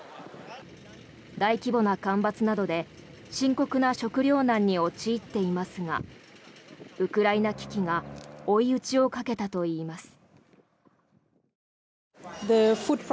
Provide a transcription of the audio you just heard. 大規模な干ばつなどで深刻な食糧難に陥っていますがウクライナ危機が追い打ちをかけたといいます。